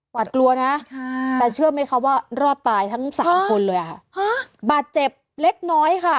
กลัวนะแต่เชื่อไหมคะว่ารอดตายทั้งสามคนเลยค่ะบาดเจ็บเล็กน้อยค่ะ